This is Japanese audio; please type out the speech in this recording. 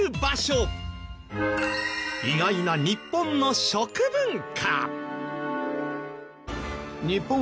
意外な日本の食文化。